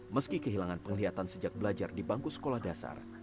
meski kehilangan penglihatan sejak belajar di bangku sekolah dasar